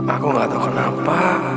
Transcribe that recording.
aku gak tau kenapa